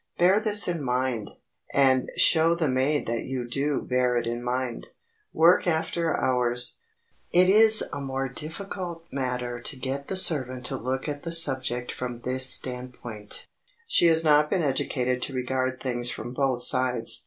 Bear this in mind, and show the maid that you do bear it in mind. [Sidenote: WORK AFTER HOURS] It is a more difficult matter to get the servant to look at the subject from this standpoint. She has not been educated to regard things from both sides.